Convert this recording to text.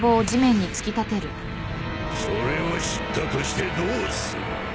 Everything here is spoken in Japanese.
それを知ったとしてどうする？